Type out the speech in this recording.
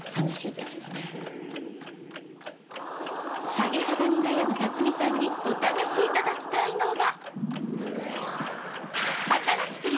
サゲ肌に悩む巽さんにお試しいただきたいのが。